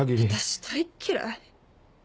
私大っ嫌い！